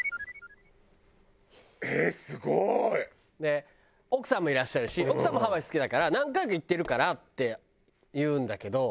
すごい！奥さんもいらっしゃるし奥さんもハワイ好きだから「何回か行ってるから」って言うんだけど。